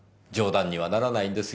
冗談にはならないんですよ。